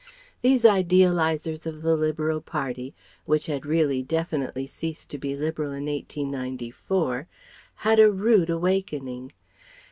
These idealizers of the Liberal Party, which had really definitely ceased to be Liberal in 1894, had a rude awakening.